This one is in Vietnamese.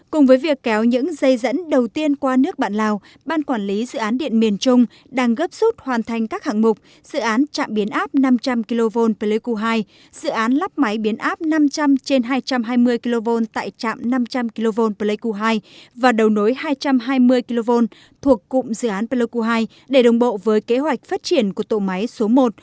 cùng với việc kéo những dây dẫn đầu tiên qua nước bạn lào ban quản lý dự án điện miền trung đang gấp rút hoàn thành các hạng mục dự án trạm biến áp năm trăm linh kv pleiku hai dự án lắp máy biến áp năm trăm linh trên hai trăm hai mươi kv tại trạm năm trăm linh kv pleiku hai và đầu nối hai trăm hai mươi kv thuộc cụm dự án pleiku hai để đồng bộ với kế hoạch phát triển của tổ máy số một